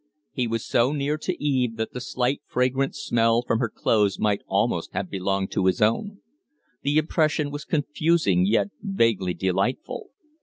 He was so near to Eve that the slight fragrant scent from her clothes might almost have belonged to his own. The impression was confusing yet vaguely delightful.